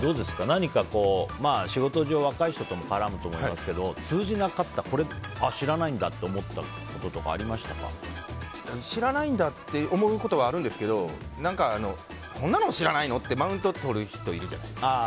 何か仕事上若い人とも絡むと思いますけど通じなかったこれ知らないんだって知らないんだって思うことはあるんですけどこんなのも知らないの？ってマウントとる人いるじゃないですか。